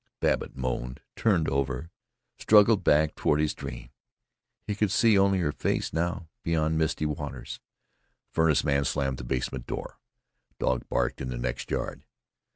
Babbitt moaned, turned over, struggled back toward his dream. He could see only her face now, beyond misty waters. The furnace man slammed the basement door. A dog barked in the next yard.